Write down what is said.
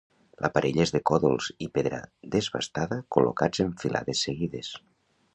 L'aparell és de còdols i pedra desbastada col·locats en filades seguides.